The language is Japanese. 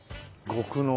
極濃